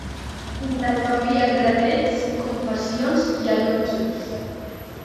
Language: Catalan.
Intercanvien retrets, confessions i enutjos.